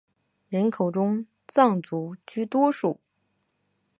人口中藏族居多数。